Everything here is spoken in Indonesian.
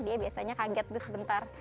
dia biasanya kaget sebentar